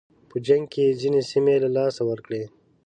په جنګ کې یې ځینې سیمې له لاسه ورکړې.